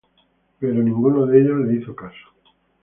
Pero ninguno de ellos le hizo caso.